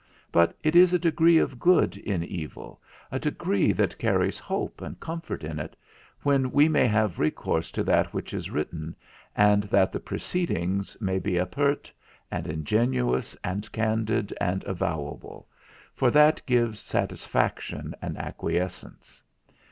But it is a degree of good in evil, a degree that carries hope and comfort in it, when we may have recourse to that which is written, and that the proceedings may be apert, and ingenuous, and candid, and avowable, for that gives satisfaction and acquiescence.